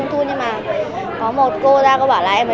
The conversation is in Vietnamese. cái này của khách mà